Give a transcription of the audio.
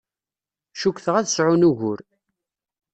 Cukkteɣ ad sɛun ugur.